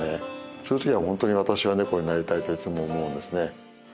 そういう時は本当に私はネコになりたいといつも思うんですね。